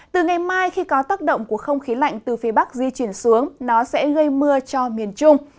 từ ngày mai khi có tác động của không khí lạnh từ phía bắc di chuyển xuống nó sẽ gây mưa cho miền trung